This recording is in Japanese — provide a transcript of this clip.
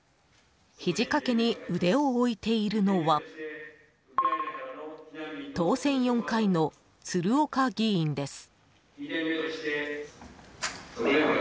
ひじ掛けに腕を置いているのは当選４回の鶴岡議員です。